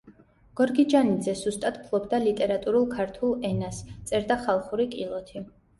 გორგიჯანიძე სუსტად ფლობდა ლიტერატურულ ქართულ ენას, წერდა ხალხური კილოთი.